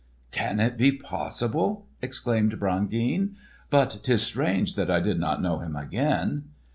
"Can it be possible!" exclaimed Brangeane. "But 'tis strange that I did not know him again!"